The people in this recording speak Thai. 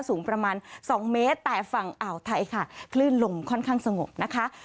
สูงประมาณ๒เมตรแต่ฝั่งอ่าวไทยค่ะคลื่นลมค่อนข้างสงบนะคะ